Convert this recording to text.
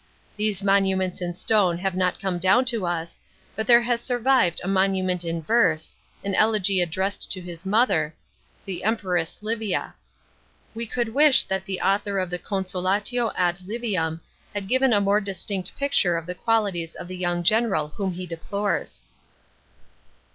These monuments in stone have not come down to us, but there has survived a monument in verse, an ele;j;y addressed to his mother, the Empress Li via. We could wish that the author of the Consolatio ad Liviam had given a more distinct piciure of the qualities of the young general whom he deplores.